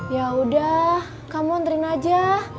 ya udah kamu antrin aja